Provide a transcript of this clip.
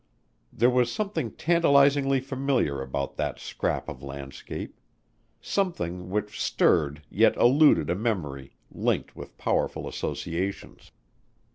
There was something tantalizingly familiar about that scrap of landscape; something which stirred yet eluded a memory linked with powerful associations.